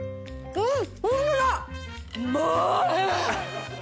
うん。